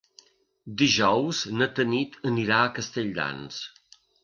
Dijous na Tanit anirà a Castelldans.